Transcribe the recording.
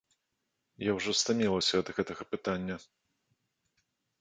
Я ўжо стамілася ад гэтага пытання.